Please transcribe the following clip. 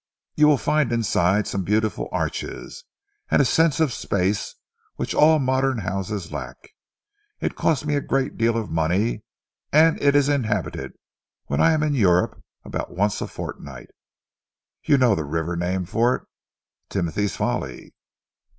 You will find inside some beautiful arches, and a sense of space which all modern houses lack. It cost me a great deal of money, and it is inhabited, when I am in Europe, about once a fortnight. You know the river name for it? 'Timothy's Folly!"'